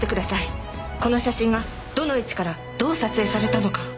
この写真がどの位置からどう撮影されたのか。